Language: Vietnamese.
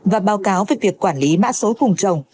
và báo cáo về việc quản lý mã số vùng trồng